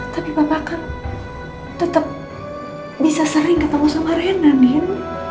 tapi papa kan tetep bisa sering ketemu sama rina din